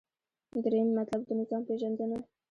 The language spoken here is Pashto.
دریم مطلب : د نظام پیژندنه